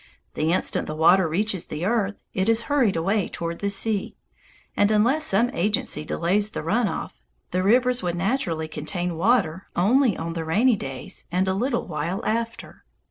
The instant the water reaches the earth, it is hurried away toward the sea, and unless some agency delays the run off, the rivers would naturally contain water only on the rainy days and a little while after.